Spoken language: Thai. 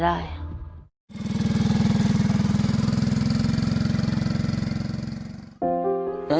สถานการณ์ผลิตภัย